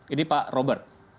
ini pak robert